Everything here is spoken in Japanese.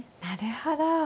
なるほど。